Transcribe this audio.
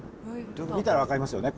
見たら分かりますよね。